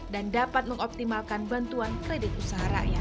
dan dapat mengoptimalkan bantuan kredit usaha rakyat